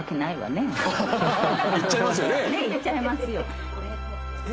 ねっいっちゃいますよ。